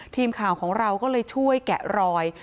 ทีมข่าวของเราก็เลยช่วยแกะรอย